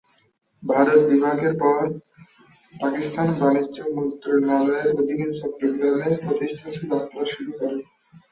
ভারত বিভাগের পর পাকিস্তান বাণিজ্য মন্ত্রণালয়ের অধীনে চট্টগ্রামে প্রতিষ্ঠানটি যাত্রা শুরু করে।